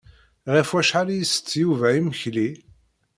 Ɣef wacḥal i isett Yuba imekli?